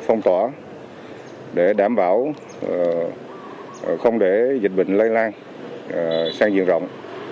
phong tỏa để đảm bảo không để dịch bệnh lây lan sang diện rộng